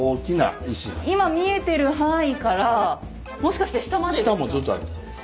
今見えてる範囲からもしかして下までですか？